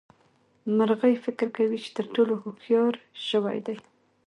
مرغۍ فکر کوي چې تر ټولو هوښيار ژوي دي.